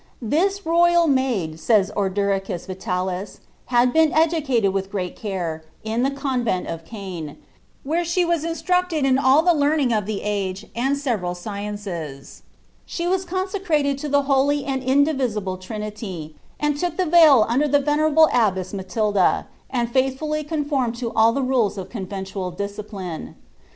"■ Tliis royal maid," says Ordericus Vh talis, "* had been educated with great c«re, in the convent of C«en, when shr was instructed in all the learning of the age, and several aciencu She was consecrated to the holy and indivisible Trinity, and took thi veil under the venerable abbess Matilda, and faithfully conformed to al the rules of conventual discipline.